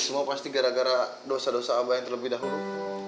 semua pasti gara gara dosa dosa abah yang terlebih dahulu